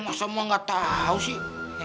masa mau enggak tahu sih